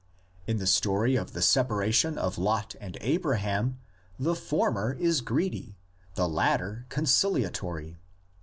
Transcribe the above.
In the story of the separation of Lot and Abraham, the former is greedy, the latter conciliatory.